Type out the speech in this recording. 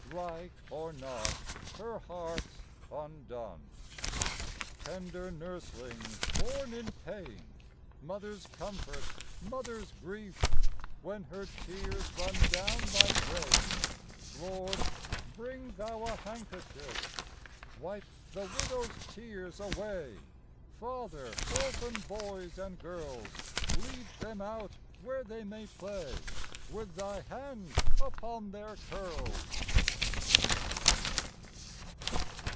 Like or not, her heart's undone. 76 FLOWER OF YOUTH Tender nurslings bora in pain, Mother's comfort, mother's grief, When her tears run down like rain, Lord, bring Thou a handkerchief. Wipe the widow's tears away, Father orphan boys and girls. Lead them out where they may play, With Thy hand upon their curls.